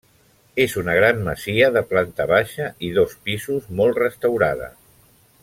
És una gran masia de planta baixa i dos pisos, molt restaurada.